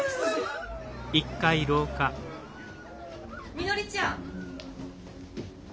・みのりちゃん！